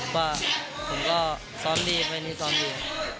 ว่าผมก็ซ้อนดีเพื่อนที่ซ้อนดี